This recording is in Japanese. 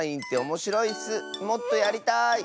もっとやりたい！